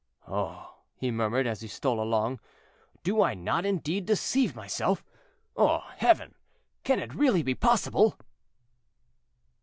"Oh!" he murmured, as he stole along, "do I not indeed deceive myself? Oh! Heaven, can it really be possible?"